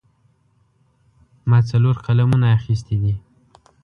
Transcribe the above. ما څلور قلمونه اخیستي دي.